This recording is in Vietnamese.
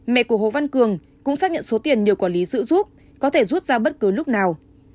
mẹ của hồ văn cường cũng xác nhận số tiền nhiều quản lý giữ giúp có thể rút ra bất cứ lúc nào